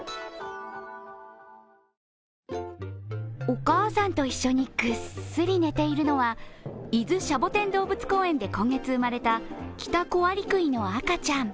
お母さんと一緒に、ぐっすり寝ているのは伊豆シャボテン動物公園で今月生まれたキタコアリクイの赤ちゃん。